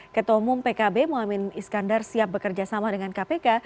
ketomum pkb mohamad iskandar siap bekerjasama dengan kpk